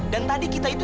dan tadi kita itu